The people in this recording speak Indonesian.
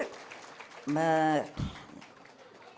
menyambutkan ketua umum gerindra